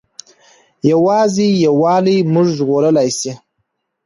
یوازې یووالی موږ ژغورلی سي.